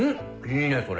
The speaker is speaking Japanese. いいねそれ。